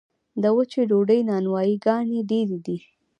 د وچې ډوډۍ نانوایي ګانې ډیرې دي